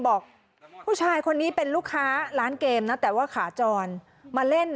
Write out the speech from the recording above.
บอกผู้ชายคนนี้เป็นลูกค้าร้านเกมนะแต่ว่าขาจรมาเล่น